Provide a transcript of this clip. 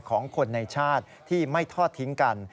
ของคนในชาติที่ไม่ทอดทิ้งกัน